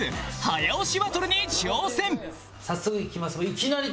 早速いきます。